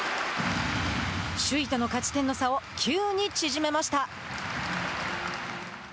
首位との勝ち点の差を９に縮めました。